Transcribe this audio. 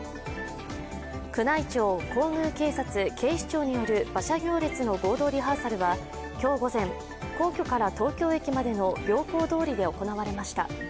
宮内庁、皇宮警察、警視庁による馬車行列の合同リハーサルは今日午前、皇居から東京駅までの行幸通りで行われました。